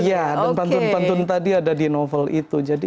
iya dan pantun pantun tadi ada di novel itu